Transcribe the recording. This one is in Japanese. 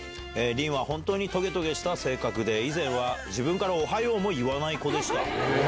凛は本当にとげとげした性格で、以前は自分からおはようも言わない子でした。